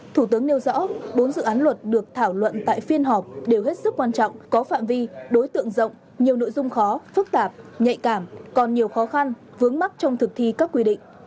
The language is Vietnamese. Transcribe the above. thủ tướng nêu rõ bốn dự án luật được thảo luận tại phiên họp đều hết sức quan trọng có phạm vi đối tượng rộng nhiều nội dung khó phức tạp nhạy cảm còn nhiều khó khăn vướng mắt trong thực thi các quy định